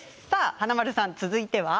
華丸さん、続いては。